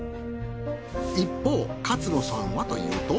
一方勝野さんはというと。